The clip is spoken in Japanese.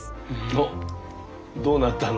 おっどうなったの？